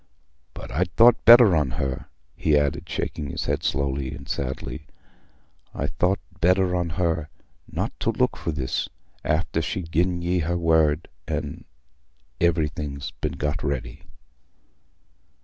But I'd thought better on her"—he added, shaking his head slowly and sadly—"I'd thought better on her, nor to look for this, after she'd gi'en y' her word, an' everything been got ready."